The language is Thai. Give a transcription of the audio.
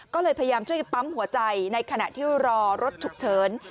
ก็เลยพยายามช่วยปั๊มหัวใจในขณะที่รอรถฉุกเฉิน